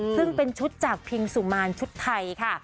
ซึ่งเป็นชุดจากพิงสุมารชุดไทยค่ะ